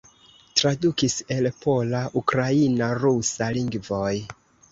Tradukis el pola, ukraina, rusa lingvoj.